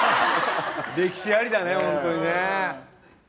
歴史ありだね、ホントにね。